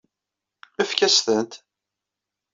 Efk-as-tent.